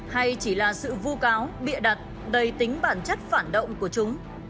hay chỉ là sự vu cáo bịa đặt đầy tính bản chất phản động của chúng